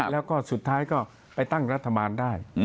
แล้วก็สุดท้ายก็ไปตั้งรัฐบาลได้